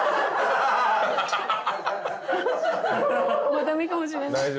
もう駄目かもしれない。